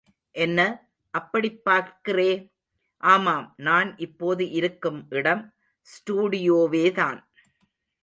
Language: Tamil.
என்ன, அப்படிப் பார்க்கிறே, ஆமாம், நான் இப்போது இருக்கும் இடம் ஸ்டுடியோவேதான்.